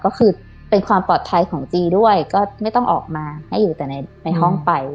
ก็คือเป็นความปลอดภัยของจีด้วยก็ไม่ต้องออกมาให้อยู่แต่ในห้องไป